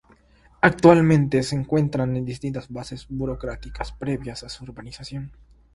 Actualmente, se encuentran en distintas fases burocráticas previas a su urbanización.